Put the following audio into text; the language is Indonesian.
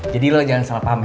jadi lo jangan salah paham ya